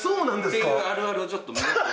っていうあるあるをちょっとメモって。